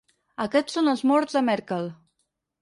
Aquests són els morts de Merkel.